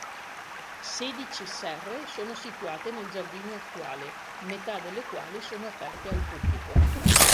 Sedici serre sono situate nel giardino attuale, metà delle quali sono aperte al pubblico.